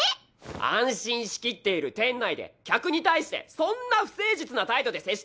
安心しきっている店内で客に対してそんな不誠実な態度で接していいわけないだろ！